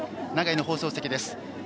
長居の放送席です。